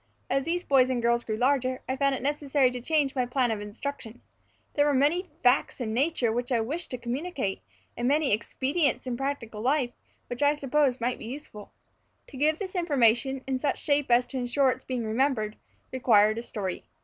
As these boys and girls grew larger, I found it necessary to change my plan of instruction. There were many facts in nature which I wished to communicate, and many expedients in practical life, which I supposed might be useful. To give this information, in such shape as to insure its being remembered, required a story.